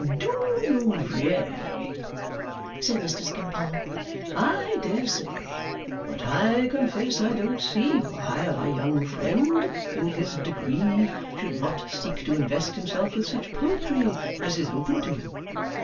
"Do you really?" said Mr. Skimpole. "I dare say! But I confess I don't see why our young friend, in his degree, should not seek to invest himself with such poetry as is open to him.